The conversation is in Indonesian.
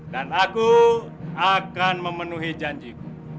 dan aku akan memenuhi janjiku